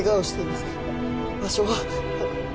場所は。